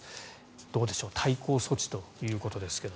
どうでしょう対抗措置ということですが。